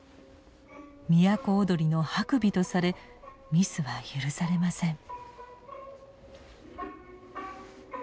都をどりの白眉とされミスは許されません。